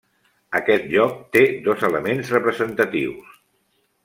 Aquest lloc té dos elements representatius.